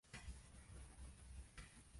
さあ、早くいらっしゃい